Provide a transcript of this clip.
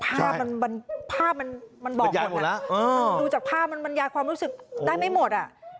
ภาพมันบอกแบบนั้นนะดูจากภาพมันบรรยาความรู้สึกได้ไม่หมด